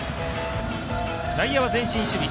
内野は前進守備